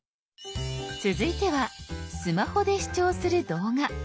続いてはスマホで視聴する動画。